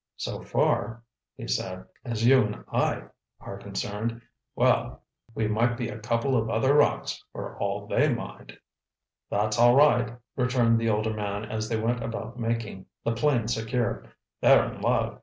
"So far," he said, "as you and I are concerned, well, we might be a couple of other rocks for all they mind!" "That's all right," returned the older man as they went about making the plane secure. "They're in love.